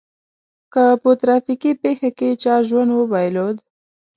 که په ترافيکي پېښه کې چا ژوند وبایلود.